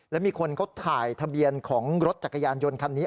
แล้วมีคนเขาถ่ายทะเบียนของรถจักรยานยนต์คันนี้